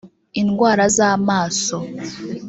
indwara z’amaso